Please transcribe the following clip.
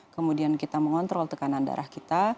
kemudian kita mengontrol tekanan darah kita